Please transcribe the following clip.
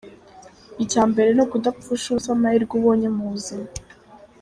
Icya mbere ni ukudapfusha ubusa amahirwe ubonye mu buzima.